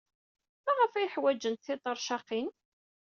Maɣef ay ḥwajent tiṭercaqin?